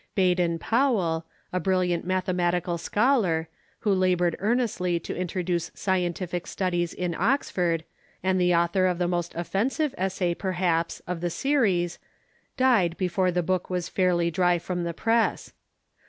Baden Powell, a ^theAutho7s° hriUiaut mathematical scholar, who labored ear nestly to introduce scientific studies in Oxford, and the author of the most offensive essay, perhaps, of the se ries, died before the book Avas fairly dry from the press.